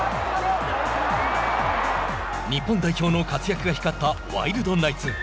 日本代表の活躍が光ったワイルドナイツ。